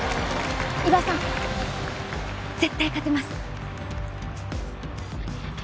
伊庭さん絶対勝てます。